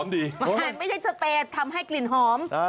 แต่ไม่ใช่สเปนทำให้กลิ่นหอม